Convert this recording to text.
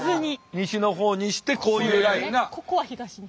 西の方にしてこういうラインが。